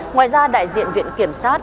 ngoài ra đại diện viện kiểm sát